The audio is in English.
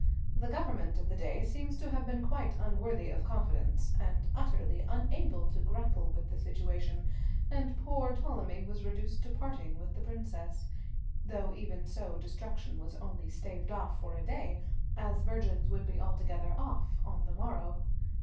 The government of the day seems to have been quite unworthy of confidence and utterly unable to grapple with the situation, and poor Ptolemy was reduced to parting with the Princess, though even so destruction was only staved off for a day, as virgins would be altogether "off" on the morrow.